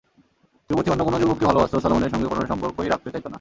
যুবতী অন্য কোন যুবককে ভালবাসত, সলোমনের সঙ্গে কোন সম্পর্কই রাখতে চাইত না।